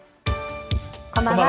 こんばんは。